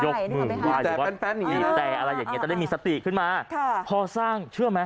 จับไหว้แต่แป๊นอย่างนี้เลยมีข้อสัตว์เพลงขึ้นมาเพราะสร้างเชื่อไหม